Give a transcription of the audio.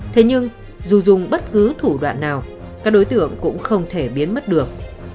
thế nhưng dù dùng bất cứ thủ đoạn nào các đối tượng cũng không thể biến mất được